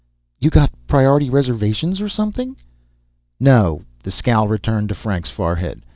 "You got prior'ty reservations or something?" "No." The scowl returned to Frank's forehead.